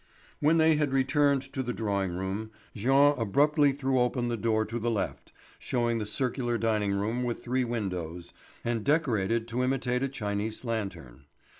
When they had returned to the drawing room Jean abruptly threw open the door to the left, showing the circular dining room with three windows, and decorated to imitate a Chinese lantern.